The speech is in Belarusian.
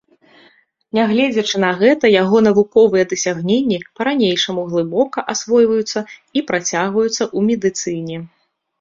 Нягледзячы на гэта, яго навуковыя дасягненні па-ранейшаму глыбока асвойваюцца і працягваюцца ў медыцыне.